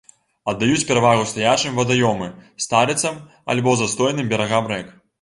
Аддаюць перавагу стаячым вадаёмы, старыцам, альбо застойным берагам рэк.